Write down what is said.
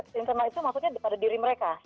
internal itu maksudnya pada diri mereka